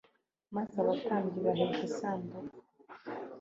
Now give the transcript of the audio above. maze abatambyi baheka isanduku